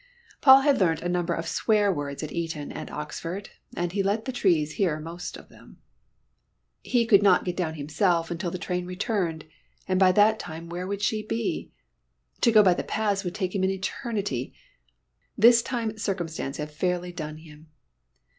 Paul had learnt a number of swear words at Eton and Oxford. And he let the trees hear most of them then. He could not get down himself until the train returned, and by that time where would she be? To go by the paths would take an eternity. This time circumstance had fairly done him.